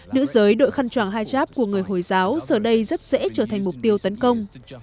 nữ giới đội khăn tròang hijab của người hồi giáo giờ đây rất dễ trở thành mục tiêu tấn công